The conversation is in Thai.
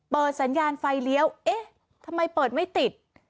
เปิดสัญญาณไฟเลี้ยวเอ๊ะทำไมเปิดไม่ติด